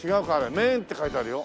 「めん」って書いてあるよ。